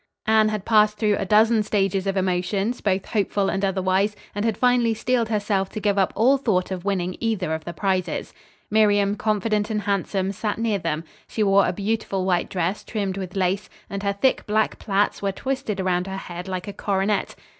Anne had passed through a dozen stages of emotions, both hopeful and otherwise, and had finally steeled herself to give up all thought of winning either of the prizes. Miriam, confident and handsome, sat near them. She wore a beautiful white dress trimmed with lace, and her thick, black plaits were twisted around her head like a coronet.